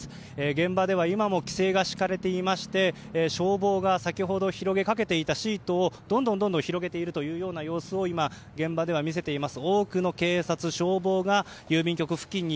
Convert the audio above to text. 現場では今も規制が敷かれていまして消防が先ほど、広げかけていたシートをどんどん広げている様子を今、現場では見せています。